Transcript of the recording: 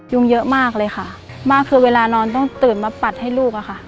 เยอะมากเลยค่ะมากคือเวลานอนต้องตื่นมาปัดให้ลูกอะค่ะ